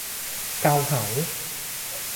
เกาเหา !